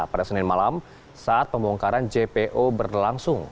pada senin malam saat pembongkaran jpo berlangsung